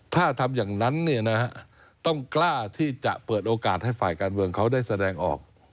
ถ้าทำอย่างนั้นต้องกล้าที่จะเปิดโอกาสให้ฝ่ายการเมืองเขาได้แสดงออก